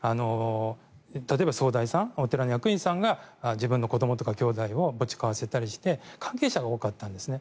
例えば総代さんお寺の役員さんが自分の子どもとかきょうだいに墓地買わせたりして関係者が多かったんですね。